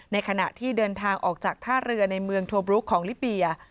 ในขณะที่เดินทางออกจากท่าเรือในเมืองทัวบลูกของลิเบีย